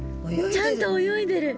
ちゃんと泳いでる！